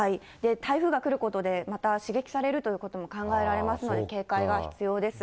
台風が来ることで、また刺激されるということも考えられますので、警戒が必要です。